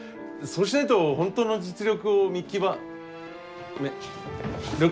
そうしないと本当の実力を見極めることが。